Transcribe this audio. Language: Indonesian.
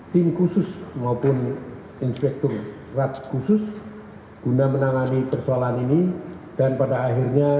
tim khusus maupun inspektur rad khusus guna menangani persoalan ini dan pada akhirnya